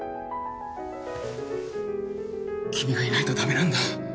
君がいないとダメなんだ。